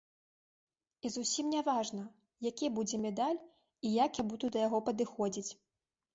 І зусім не важна, які будзе медаль і як я буду да яго падыходзіць.